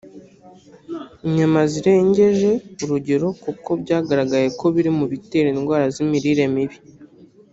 inyama zirengeje urugero kuko byagaragaye ko biri mu bitera indwara z’ imirire mibi